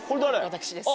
私です。